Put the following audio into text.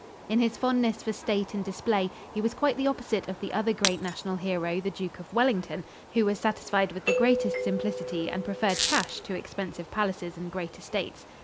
In his fondness for state and display, he was quite the opposite of the other great national hero, the Duke of Wellington, who was satisfied with the greatest simplicity and preferred cash to expensive palaces and great estates.